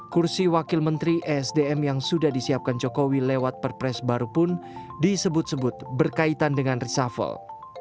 kursi wakil menteri esdm yang sudah disiapkan jokowi lewat perpres baru pun disebut sebut berkaitan dengan reshuffle